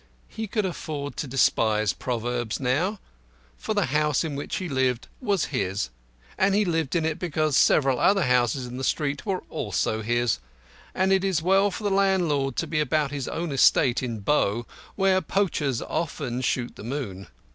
He could afford to despise proverbs now, for the house in which he lived was his, and he lived in it because several other houses in the street were also his, and it is well for the landlord to be about his own estate in Bow, where poachers often shoot the moon.